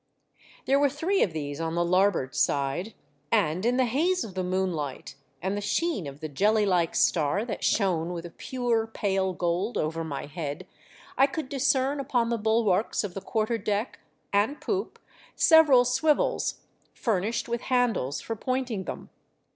There were three of these on the larboard side, and, in the haze of the moonlight and the sheen of the jelly like star that shone with a pure, pale gold over my head, I could discern upon the bulwarks of the quarter deck and 88 THE DEATH SHIP. poop several swivels furnished with handles for pointing them.